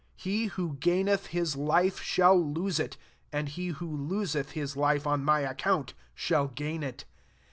39 He who gain eth his life, shall lose it : and he who loseth his life on my ac count shall gain it.